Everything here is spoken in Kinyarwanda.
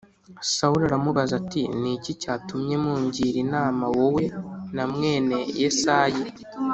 Sawuli aramubaza ati “Ni iki cyatumye mungira inama wowe na mwene Yesayi